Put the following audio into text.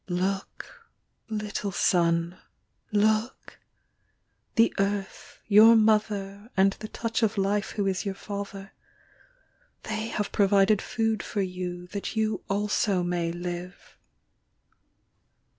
Look, little son, look; 24 The earth, your mother, And the touch of life who is your father, They have provided food for you That you also may live.